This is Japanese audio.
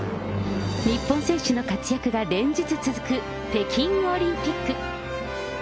日本選手の活躍が連日続く北京オリンピック。